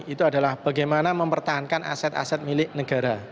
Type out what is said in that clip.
itu adalah bagaimana mempertahankan aset aset milik negara